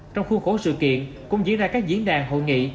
trong khuôn khổ sự kiện cũng diễn ra các diễn đàn hội nghị